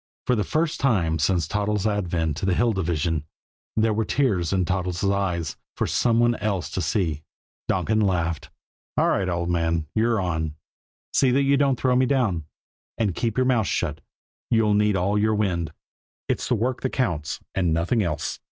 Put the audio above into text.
For the first time since Toddles' advent to the Hill Division, there were tears in Toddles' eyes for some one else to see. Donkin laughed. "All right, old man, you're on. See that you don't throw me down. And keep your mouth shut; you'll need all your wind. It's work that counts, and nothing else.